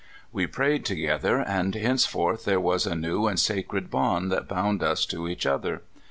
We prayed together, and hence forth there was a new and sacred bond that bound us to each other.